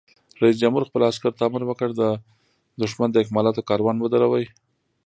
رئیس جمهور خپلو عسکرو ته امر وکړ؛ د دښمن د اکمالاتو کاروان ودروئ!